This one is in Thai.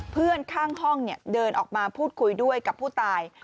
เพื่อนข้างห้องเดินออกมาพูดคุยด้วยกับผู้ตาย